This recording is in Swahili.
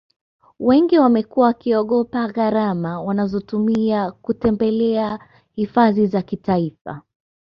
wengi wamekuwa wakiogopa gharama watazotumia kutembelea hifadhi za taifa